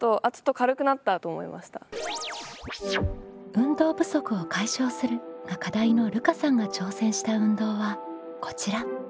「運動不足を解消する」が課題のるかさんが挑戦した運動はこちら。